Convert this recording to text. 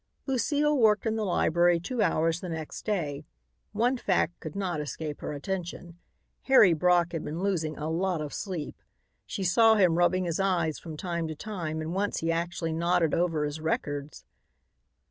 Lucile worked in the library two hours the next day. One fact could not escape her attention. Harry Brock had been losing a lot of sleep. She saw him rubbing his eyes from time to time and once he actually nodded over his records.